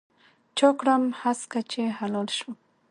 چا کړم هسکه چې هلال شوم